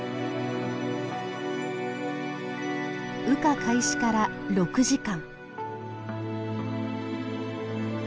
羽化開始から６時間。